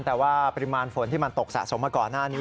แต่ว่าปริมาณฝนที่มันตกสะสมมาก่อนหน้านี้